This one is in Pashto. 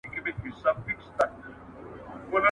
که افغانان نه وای نو صفویان به لا پاتې وای.